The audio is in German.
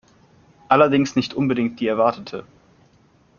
Allerdings nicht unbedingt die erwartete.